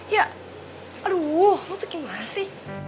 ya aduh lu tuh gimana sih